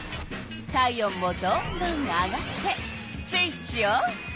体温もどんどん上がってスイッチオン！